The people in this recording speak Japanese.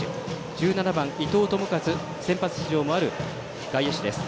１７番、伊藤智一先発出場もある外野手です。